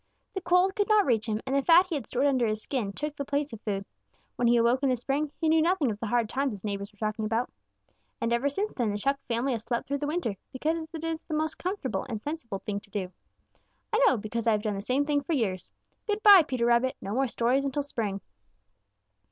The cold could not reach him, and the fat he had stored under his skin took the place of food. When he awoke in the spring, he knew nothing of the hard times his neighbors were talking about. And ever since then the Chuck family has slept through the winter, because it is the most comfortable and sensible thing to do. I know, because I have done the same thing for years. Good by, Peter Rabbit! No more stories until spring."